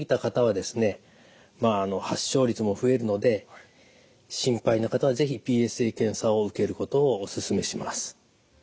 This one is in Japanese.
発症率も増えるので心配な方は是非ＰＳＡ検査を受けることをお勧めします。